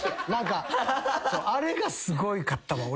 あれがすごかったわ俺。